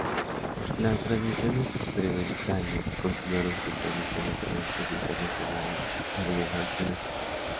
Las transmisiones experimentales continuaron con transmisiones de eventos internacionales de relevancia nacional.